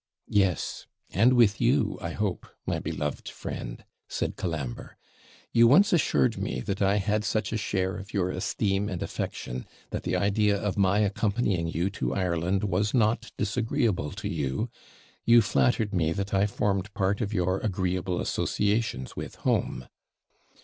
'Yes; and with you, I hope, my beloved friend,' said Colambre; 'you once assured me that I had such a share of your esteem and affection, that the idea of my accompanying you to Ireland was not disagreeable to you; you flattered me that I formed part of your agreeable associations with home.'